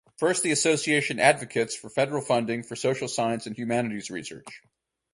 First, the association advocates for federal funding for social science and humanities research.